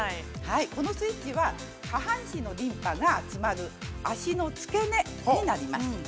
このスイッチは、下半身のリンパが詰まる、足の付け根になります。